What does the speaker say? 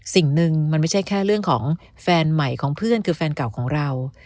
สิ่งหนึ่งมันไม่ใช่แค่เรื่องของแฟนใหม่ของเพื่อนคือแฟนเก่าของเรา